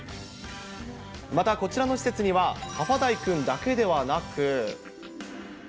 またこちらの施設には、ハファダイくんだけではなく。